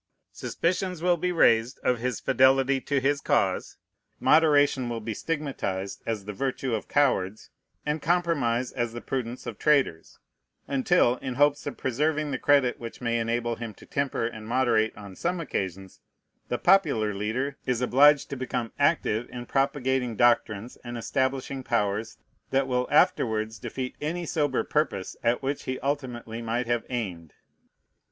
Suspicions will be raised of his fidelity to his cause. Moderation will be stigmatized as the virtue of cowards, and compromise as the prudence of traitors, until, in hopes of preserving the credit which may enable him to temper and moderate on some occasions, the popular leader is obliged to become active in propagating doctrines and establishing powers that will afterwards defeat any sober purpose at which he ultimately might have aimed.